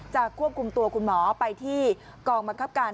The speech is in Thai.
ควบคุมตัวคุณหมอไปที่กองบังคับการ